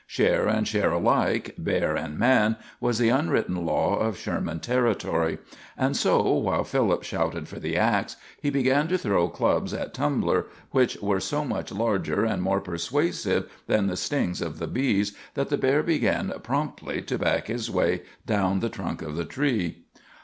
Share and share alike, bear and man, was the unwritten law of Sherman Territory, and so, while Philip shouted for the ax, he began to throw clubs at Tumbler, which were so much larger and more persuasive than the stings of the bees that the bear began promptly to back his way down the trunk of the tree.